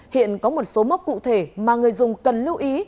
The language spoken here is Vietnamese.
hiện có một số mốc cụ thể mà người dùng cần lưu ý